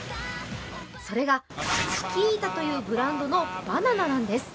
それがチキータというブランドのバナナなんです。